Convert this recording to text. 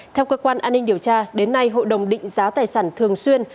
theo cơ quan an ninh điều tra đến nay hội đồng định giá tài sản thường xuyên